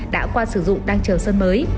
đã qua sử dụng đang chờ sơn mới